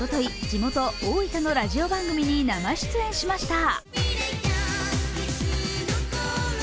地元・大分のラジオ番組に生出演しました。